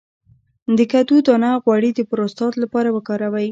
د کدو دانه غوړي د پروستات لپاره وکاروئ